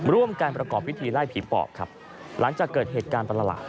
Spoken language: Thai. ร่วมการประกอบพิธีไล่ผีปอบครับหลังจากเกิดเหตุการณ์ประหลาด